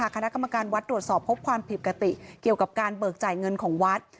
คณะกรรมการวัดตรวจสอบพบความผิดปกติเกี่ยวกับการเบิกจ่ายเงินของวัด